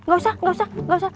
gak usah gak usah